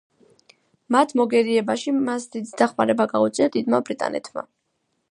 მათ მოგერიებაში მას დიდი დახმარება გაუწია დიდმა ბრიტანეთმა.